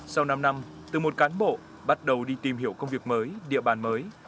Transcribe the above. sau năm năm từ một cán bộ bắt đầu đi tìm hiểu công việc mới địa bàn mới